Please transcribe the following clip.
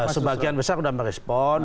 sebagian besar sudah merespon